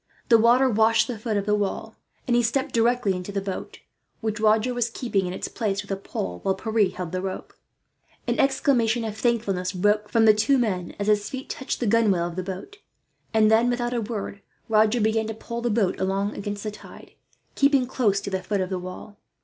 The water washed the foot of the wall, and he stepped directly into the boat; which Roger was keeping in its place with a pole, while Pierre held the rope. An exclamation of thankfulness broke from the two men, as his feet touched the gunwale of the boat; and then, without a word, Roger began to pole the boat along against the tide, keeping close to the foot of the wall.